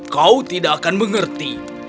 kau tidak akan mengerti